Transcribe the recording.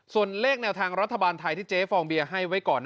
ส่วนเลขแนวทางรัฐบาลไทยที่เจ๊ฟองเบียร์ให้ไว้ก่อน